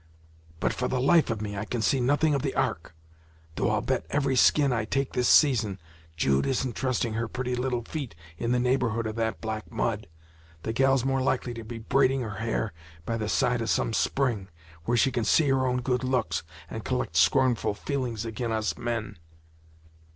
But for the life of me I can see nothing of the ark; though I'll bet every skin I take this season, Jude isn't trusting her pretty little feet in the neighborhood of that black mud. The gal's more likely to be braiding her hair by the side of some spring, where she can see her own good looks, and collect scornful feelings ag'in us men."